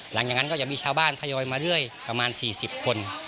หลังจากนั้นก็จะมีชาวบ้านทยอยมาเรื่อยประมาณ๔๐คน